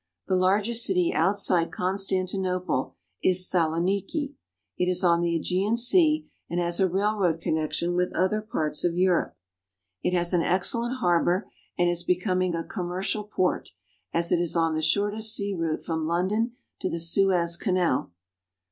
The largest city outside Constantinople is Saloniki. It is on the ^Egean Sea, and has a railroad connection with other parts of Europe. It has an excellent harbor, and is becoming a commercial port, as it is on the shortest sea route from London to the Suez Canal.